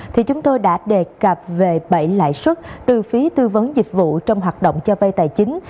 thì chúng tôi đã đề cập về bảy lãi suất từ phí tư vấn dịch vụ trong hoạt động cho vay tài chính